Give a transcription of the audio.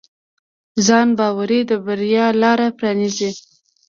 ځانباوري د بریا لاره پرانیزي.